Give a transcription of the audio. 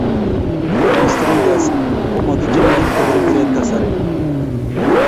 Post rangers ko makichamchin kopir mbire kasari